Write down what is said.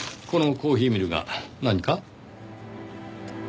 このコーヒーミルが何か？